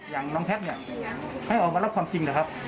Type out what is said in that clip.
อย่างน้องแท็กเนี่ยให้ออกมารับความจริงเหรอครับ